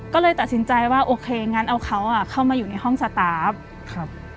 ก็เลยตัดสินใจว่าโอเคงั้นเอาเขาอ่ะเข้ามาอยู่ในห้องสตาร์ฟครับ